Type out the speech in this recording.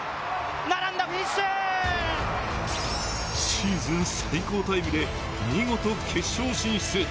シーズン最高タイムで、見事決勝進出。